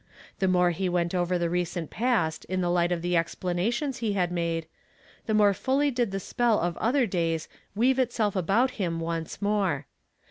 The more he went over the recent past in the light of the ex planations he had made, the more fully did the spell of other days weave itself al)out him once more.